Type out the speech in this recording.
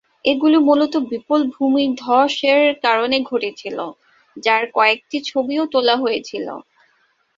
এগুলি মূলত বিপুল ভূমিধ্বস-এর কারণে ঘটেছিল, যার কয়েকটি ছবিও তোলা হয়েছিল।